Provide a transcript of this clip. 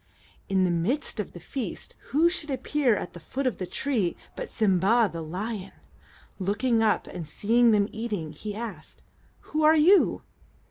In the midst of the feast, who should appear at the foot of the tree but Sim'ba, the lion? Looking up, and seeing them eating, he asked, "Who are you?"